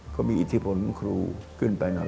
ก็มีอิทธิพลครูขึ้นไปหน่อย